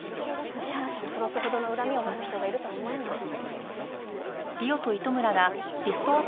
吉原さんを殺すほどの恨みを持つ人がいるとは思えない。